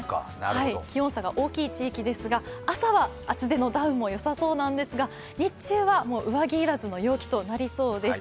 気温差が大きい地域は、朝は厚手のダウンでもよさそうなんですが日中は上着要らずの陽気となりそうです。